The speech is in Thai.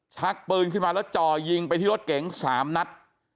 ชักปืนขึ้นมาแล้วจ่อยิงไปที่รถเก๋ง๓นัด